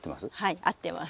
はい合ってます。